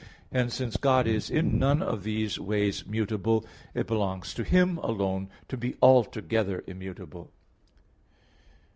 Hence since God is in none of these ways mutable, it belongs to Him alone to be altogether immutable.